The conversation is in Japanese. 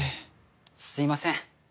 すいません。